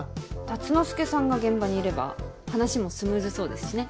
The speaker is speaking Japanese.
竜之介さんが現場にいれば話もスムーズそうですしね。